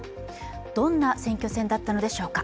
どんな選挙戦だったのでしょうか。